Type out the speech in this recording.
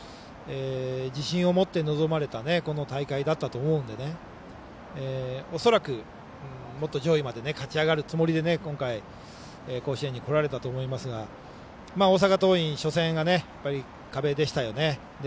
自信を持って臨まれたこの大会だと思うので、恐らくもっと上位まで勝ちあがるつもりで今回甲子園に来られたと思いますが大阪桐蔭、初戦が壁でしたよね。